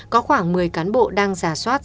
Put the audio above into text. có khoảng một mươi cán bộ đang giả soát